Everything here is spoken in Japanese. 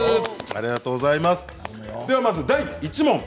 では、まず第１問。